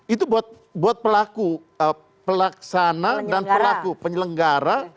itu buat pelaku pelaksana dan pelaku penyelenggara